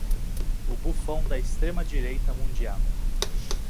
O bufão da extrema direita mundial